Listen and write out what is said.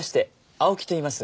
青木といいます。